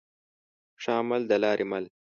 ښه عمل د لاري مل.